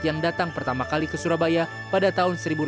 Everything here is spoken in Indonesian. yang datang pertama kali ke surabaya pada tahun seribu delapan ratus